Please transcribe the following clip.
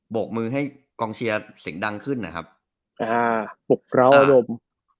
กมือให้กองเชียร์เสียงดังขึ้นนะครับอ่าปกราวอารมณ์